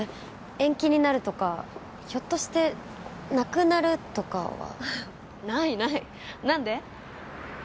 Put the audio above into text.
延期になるとかひょっとしてなくなるとかはないない何で？